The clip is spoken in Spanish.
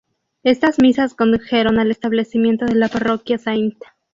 Estas misas condujeron al establecimiento de la parroquia St.